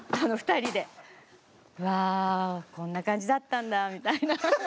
「わあこんな感じだったんだ」みたいな。